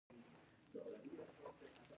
د کچالو کښت د بزګرانو لپاره اسانه دی.